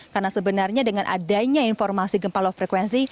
karena sebenarnya dengan adanya informasi gempa low frequency